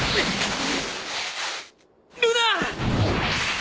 ルナ！